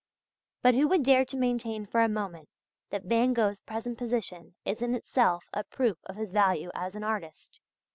But who would dare to maintain for a moment that Van Gogh's present position is in itself a proof of his value as an artist?